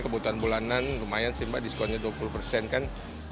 kebutuhan bulanan lumayan sih mbak diskonnya dua puluh persen kan